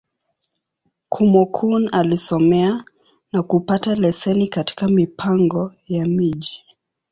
Kúmókụn alisomea, na kupata leseni katika Mipango ya Miji.